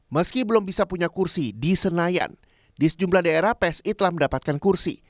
meski belum bisa punya kursi di senayan di sejumlah daerah psi telah mendapatkan kursi